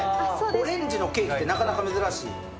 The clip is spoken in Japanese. オレンジのケーキってなかなか珍しい。